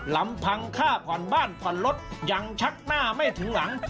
ลำพังค่าผ่อนบ้านผ่อนรถยังชักหน้าไม่ถึงหลัง